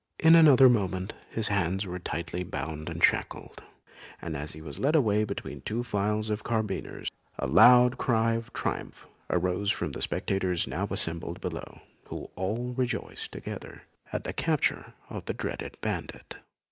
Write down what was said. In another moment his arms were tightly bound and shackled, and as he was led away between two files of carbineers, a loud cry of triumph arose from the spectators now assembled below, who all rejoiced together at the capture of the dreaded bandit.